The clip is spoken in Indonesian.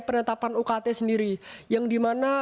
penetapan ukt sendiri yang dimana